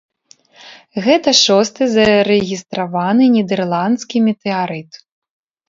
Гэта шосты зарэгістраваны нідэрландскі метэарыт.